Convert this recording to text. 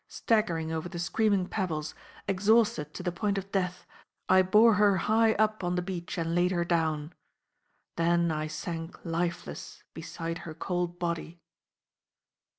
Staggering over the screaming pebbles, exhausted to the point of death, I bore her high up on the beach and laid her down. Then I sank lifeless beside her cold body.